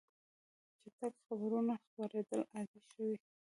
چټک خبرونه خپرېدل عادي شوي.